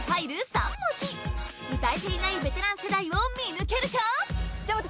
３文字歌えていないベテラン世代を見抜けるか？